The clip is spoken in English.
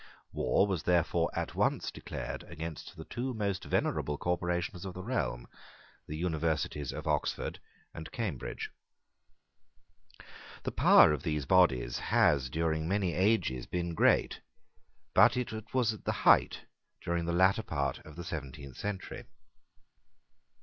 War was therefore at once declared against the two most venerable corporations of the realm, the Universities of Oxford and Cambridge. The power of those bodies has during many ages been great; but it was at the height during the latter part of the seventeenth century.